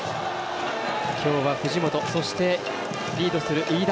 今日は藤本そして、リードする飯田